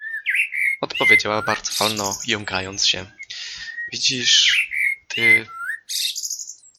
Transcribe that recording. Od powiedziała bardzo wolno, jąkając się: — Widzisz, ty.